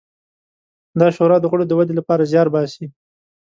دا شورا د غړو د ودې لپاره زیار باسي.